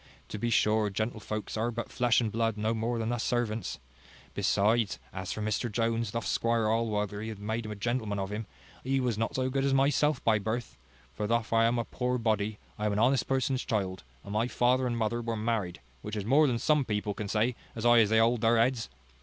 To be sure, gentlefolks are but flesh and blood no more than us servants. Besides, as for Mr Jones, thof Squire Allworthy hath made a gentleman of him, he was not so good as myself by birth: for thof I am a poor body, I am an honest person's child, and my father and mother were married, which is more than some people can say, as high as they hold their heads.